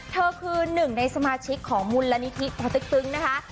เธอคือหนึ่งในสมาชิกของมูลนิธิปอติ๊กตึงนะคะ